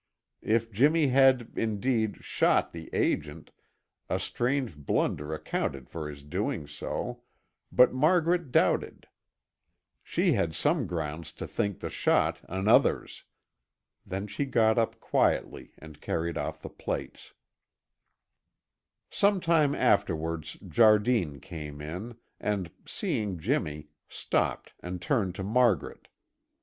If Jimmy had, indeed, shot the agent, a strange blunder accounted for his doing so, but Margaret doubted. She had some grounds to think the shot another's. Then she got up quietly and carried off the plates. Some time afterwards Jardine came in and, seeing Jimmy, stopped and turned to Margaret.